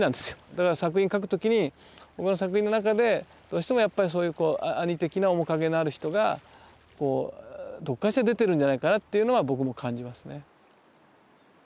だから作品書くときに僕の作品の中でどうしてもやっぱりそういう兄的な面影のある人がどこかしら出てるんじゃないかなっていうのは僕も感じますね。